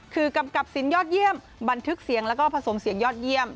คือกำกับสินยอดเยี่ยมบันทึกเสียงแล้วก็ผสมเสียงยอดเยี่ยม